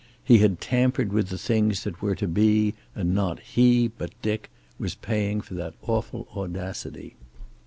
He had tampered with the things that were to be and not he, but Dick, was paying for that awful audacity.